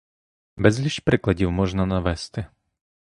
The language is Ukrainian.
Безліч прикладів можна навести.